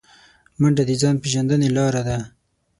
منډه د ځان پیژندنې لاره ده